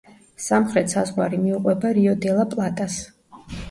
სამხრეთ საზღვარი მიუყვება რიო-დე-ლა-პლატას.